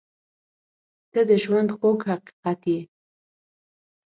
• ته د ژونده خوږ حقیقت یې.